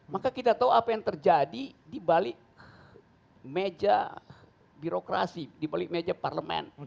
maka kita tahu apa yang terjadi di balik meja birokrasi di balik meja parlemen